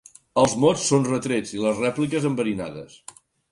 Els mots són retrets i les rèpliques enverinades.